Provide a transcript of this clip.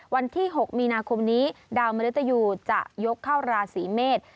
วันที่๖มีนาคมนี้ดาวมริตยูจะยกเข้าราศีเมษ